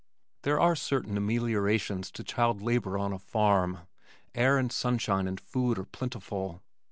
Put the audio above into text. There are certain ameliorations to child labor on a farm. Air and sunshine and food are plentiful.